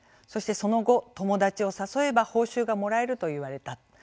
そして、その後友達を誘えば報酬がもらえると言われた。